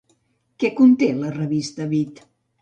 Què conté la revista BiD?